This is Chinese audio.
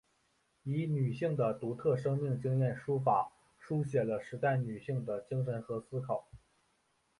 以女性的独特生命经验书法抒写了时代女性的精神和思考。